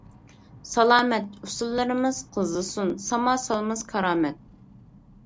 سالامەت، ئۇسۇللىرىمىز قىزىسۇن ساما سالىمىز كارامەت.